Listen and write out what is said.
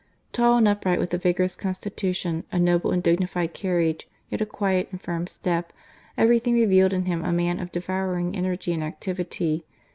Tall and upright, with a vigorous constitution, a noble and dignified carriage, yet a quiet and firm step, every thing revealed in him a man of devouring energy and activity.